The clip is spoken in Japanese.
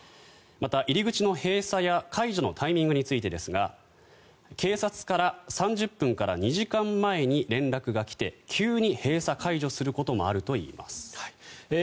また、入り口の閉鎖や解除のタイミングについてですが警察から３０分から２時間前に連絡が来て急に閉鎖・解除することもあるといいます。